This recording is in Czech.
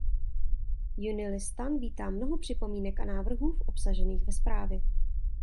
Junilistan vítá mnoho připomínek a návrhů obsažených ve zprávě.